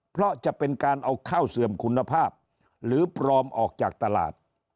เพราะจะเป็นการเอาข้าวเสื่อมคุณภาพหรือปลอมออกจากตลาด